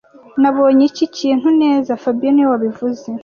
Nabonye iki kintu neza fabien niwe wabivuze